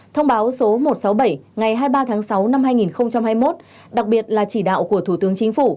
thông báo số một trăm sáu mươi bảy ngày hai mươi ba tháng sáu năm hai nghìn hai mươi một đặc biệt là chỉ đạo của thủ tướng chính phủ